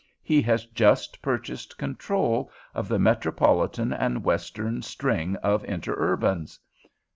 He has just purchased control of the Metropolitan and Western string of interurbans."